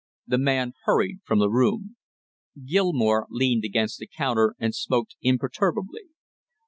The man hurried from the room. Gilmore leaned against the counter and smoked imperturbably.